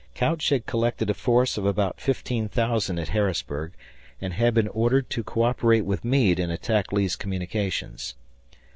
Couch had collected a force of about 15,000 at Harrisburg and had been ordered to coöperate with Meade and attack Lee's communications.